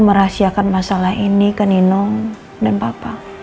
merahasiakan masalah ini ke nino dan papa